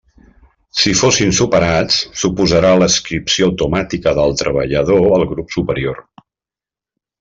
Si fossin superats, suposarà l'adscripció automàtica del treballador al grup superior.